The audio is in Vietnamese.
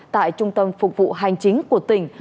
tại trung tâm phục vụ hành chính của tỉnh